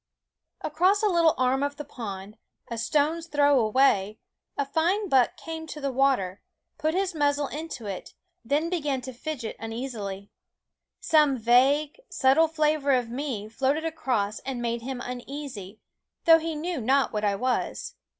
Across a little arm of the pond, a stone's throw away, a fine buck came to the water, put his muzzle into it, then began to fidget 1 7 8 Quoskh Keen Bye d W SCHOOL OF uneasily. Some vague, subtle flavor of me floated across and made him uneasy, though he knew not what I was.